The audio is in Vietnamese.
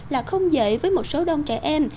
là không dễ với một số đông trẻ em